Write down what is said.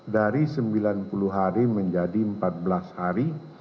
dari sembilan puluh hari menjadi empat belas hari